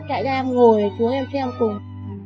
chạy ra em ngồi chú em xem cùng